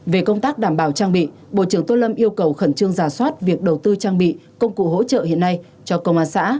về công tác đảm bảo trang bị bộ trưởng tô lâm yêu cầu khẩn trương giả soát việc đầu tư trang bị công cụ hỗ trợ hiện nay cho công an xã